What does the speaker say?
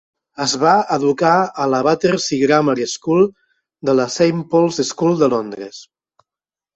Es va educar a la Battersea Grammar School de la Saint Paul's School de Londres.